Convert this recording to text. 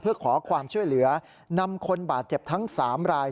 เพื่อขอความช่วยเหลือนำคนบาดเจ็บทั้ง๓ราย